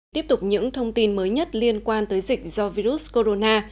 tiếp tục những thông tin mới nhất liên quan tới dịch do virus corona